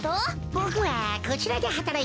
ボクはこちらではたらいています。